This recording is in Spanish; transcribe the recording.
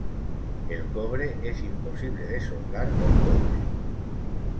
El cobre es imposible de soldar con cobre.